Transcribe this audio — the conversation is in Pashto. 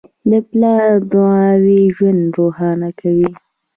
د پلار دعاوې ژوند روښانه کوي.